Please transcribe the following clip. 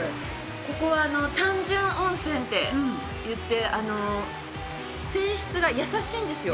ここは単純温泉っていって泉質が優しいんですよ。